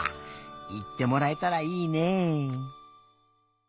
いってもらえたらいいね。